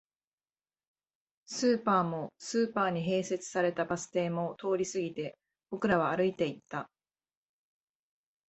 スーパーも、スーパーに併設されたバス停も通り過ぎて、僕らは歩いていった